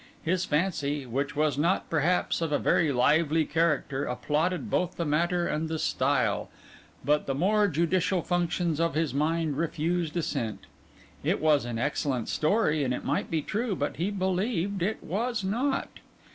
His fancy, which was not perhaps of a very lively character, applauded both the matter and the style; but the more judicial functions of his mind refused assent. It was an excellent story; and it might be true, but he believed it was not.